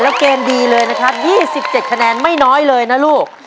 แล้วเกมดีเลยนะครับ๒๗คะแนนไม่น้อยเลยนะลูก